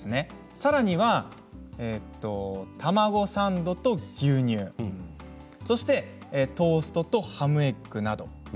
さらには卵サンドと牛乳そしてトーストとハムエッグなど。